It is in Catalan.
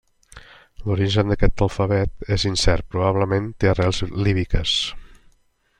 L'origen d'aquest alfabet és incert, probablement té arrels líbiques.